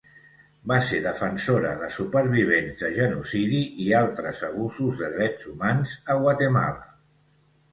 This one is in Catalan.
Va ser defensora de supervivents de genocidi i altres abusos de drets humans a Guatemala.